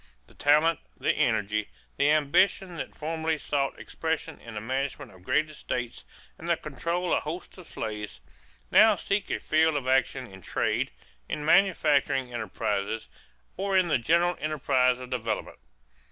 The talent, the energy, the ambition that formerly sought expression in the management of great estates and the control of hosts of slaves, now seek a field of action in trade, in manufacturing enterprises, or in the general enterprises of development.